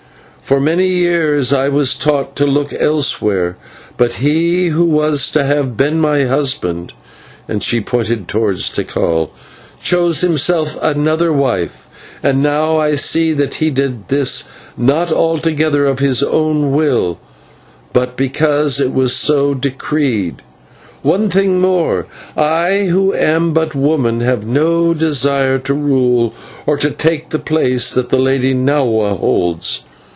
For many years I was taught to look elsewhere, but he who was to have been my husband " and she pointed towards Tikal "chose himself another wife, and now I see that he did this not altogether of his own will, but because it was so decreed. One thing more. I, who am but a woman, have no desire to rule or to take the place that the Lady Nahua holds.